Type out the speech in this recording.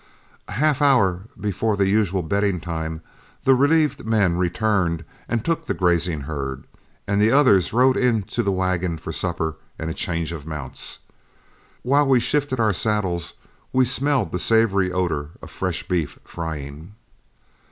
A half hour before the usual bedding time, the relieved men returned and took the grazing herd, and the others rode in to the wagon for supper and a change of mounts. While we shifted our saddles, we smelled the savory odor of fresh beef frying.